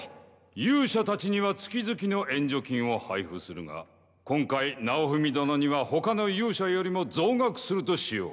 勇者たちには月々の援助金を配布するが今回尚文殿には他の勇者よりも増額するとしよう。